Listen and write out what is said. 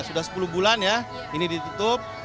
sudah sepuluh bulan ya ini ditutup